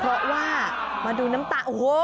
เพราะว่ามาดูน้ำตาโอ้โห